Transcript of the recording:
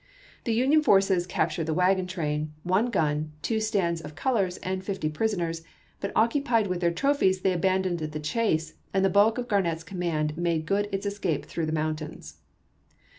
The Union forces captured the wagon train, one gun, two stands of colors, and fifty prisoners ; but occupied with their trophies they abandoned the chase, and the bulk of Garnett's command made good its escape through the mountains.